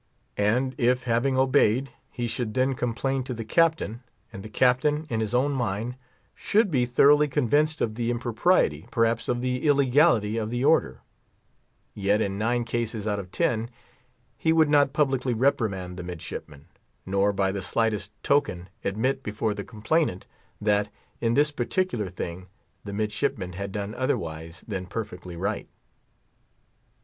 And if, having obeyed, he should then complain to the Captain, and the Captain, in his own mind, should be thoroughly convinced of the impropriety, perhaps of the illegality of the order, yet, in nine cases out of ten, he would not publicly reprimand the midshipman, nor by the slightest token admit before the complainant that, in this particular thing, the midshipman had done otherwise than perfectly right.